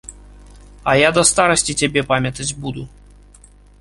А я да старасці цябе памятаць буду.